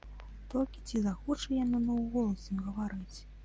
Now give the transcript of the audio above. Толькі ці захоча яна наогул з ім гаварыць?